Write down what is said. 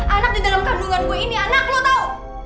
anak di dalam kandungan gue ini anak lo tau